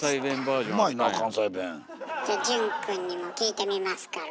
じゃあ潤くんにも聞いてみますから。